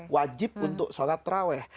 wajib untuk sholat taraweh